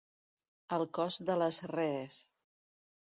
El cos de les rees.